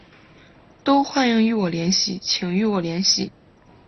都欢迎与我联系请与我联系